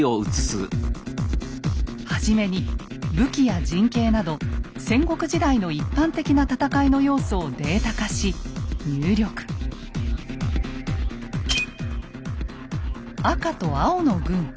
初めに武器や陣形など戦国時代の一般的な戦いの要素をデータ化し赤と青の軍。